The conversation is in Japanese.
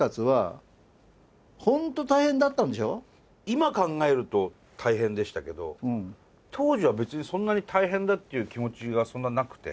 今考えると大変でしたけど当時は別にそんなに大変だっていう気持ちがそんななくて。